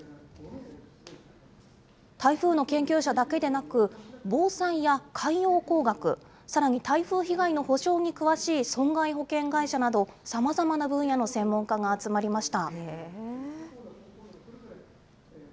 台風の研究者だけでなく、防災や海洋工学、さらに台風被害の補償に詳しい損害保険会社など、さまざまな分野の専門家が集まりました。